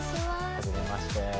はじめまして。